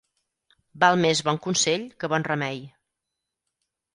Val més bon consell que bon remei.